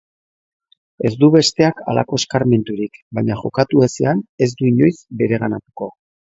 Ez du besteak halako eskarmenturik, baina jokatu ezean ez du inoiz bereganatuko.